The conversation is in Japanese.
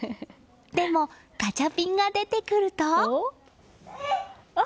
でも、ガチャピンが出てくると。